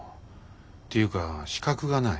っていうか資格がない。